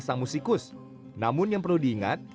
sang musikus namun yang perlu diingat